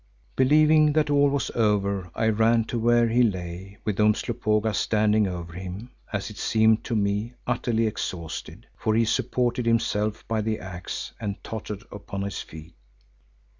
Believing that all was over I ran to where he lay with Umslopogaas standing over him, as it seemed to me, utterly exhausted, for he supported himself by the axe and tottered upon his feet.